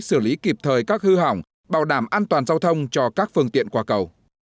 xử lý kịp thời các hư hỏng bảo đảm an toàn giao thông cho các phương tiện qua cầu